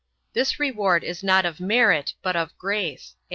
This reward is not of merit, but of grace.